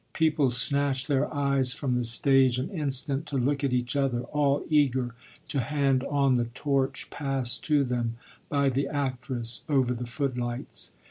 People snatched their eyes from the stage an instant to look at each other, all eager to hand on the torch passed to them by the actress over the footlights.